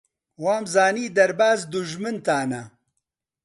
وامزانی دەرباز دوژمنتانە.